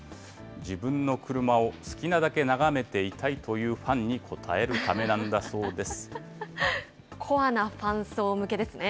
自分の車を好きなだけ眺めていたいというファンに応えるためなんコアなファン層向けですね。